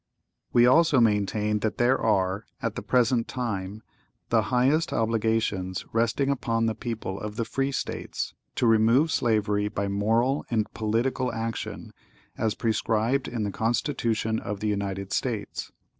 (¶ 32) We also maintain that there are, at the present time, the highest obligations resting upon the people of the free States, to remove slavery by moral and political action, as prescribed in the Constitution of the United States.